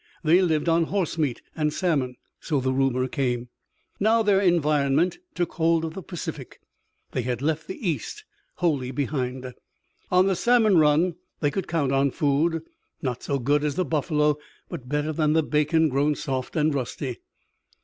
They lived on horse meat and salmon, so the rumor came. Now their environment took hold of the Pacific. They had left the East wholly behind. On the salmon run they could count on food, not so good as the buffalo, but better than bacon grown soft and rusty.